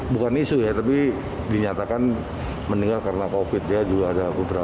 bukan isu ya tapi dinyatakan meninggal karena covid sembilan belas